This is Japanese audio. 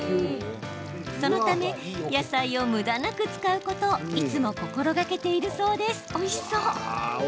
そのため野菜をむだなく使うことをいつも心がけているそうです。